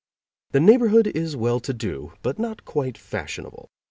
The neighborhood is well to do, but not quite fashionable.